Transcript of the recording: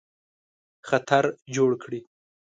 خطر جوړ کړي.